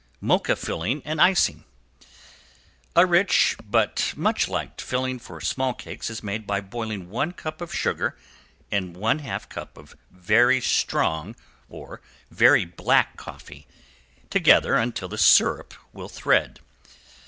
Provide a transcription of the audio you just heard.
~MOCHA FILLING AND ICING~ A rich but much liked filling for small cakes is made by boiling one cup of sugar and one half cup of very strong or very black coffee together until the syrup will thread.